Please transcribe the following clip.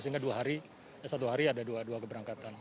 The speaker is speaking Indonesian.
sehingga satu hari ada dua keberangkatan